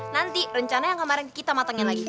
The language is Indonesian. nanti rencana yang kemarin kita matangin lagi